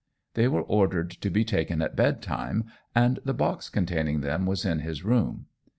They were ordered to be taken at bedtime, and the box containing them was in his room.